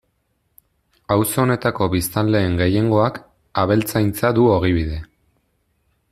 Auzo honetako biztanleen gehiengoak abeltzaintza du ogibide.